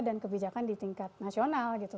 dan kebijakan di tingkat nasional gitu